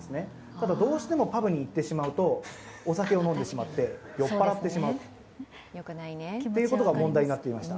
ただ、どうしてもパブに逃げ込んでしまうとお酒を飲んでしまって酔っ払ってしまうことが問題になっていました。